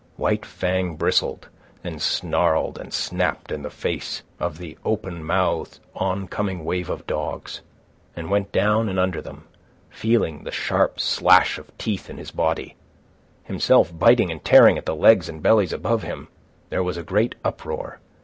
White Fang bristled and snarled and snapped in the face of the open mouthed oncoming wave of dogs, and went down and under them, feeling the sharp slash of teeth in his body, himself biting and tearing at the legs and bellies above him. There was a great uproar.